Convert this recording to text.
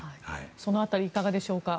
その辺りいかがでしょうか。